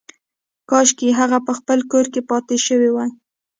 کاشکې هغه په خپل کور کې پاتې شوې وای